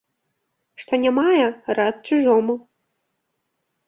Што не мае, рад чужому.